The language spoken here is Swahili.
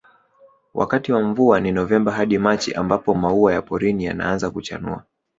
Wakati wa mvua ni Novemba hadi Machi mbapo maua ya porini yanaaza kuchanua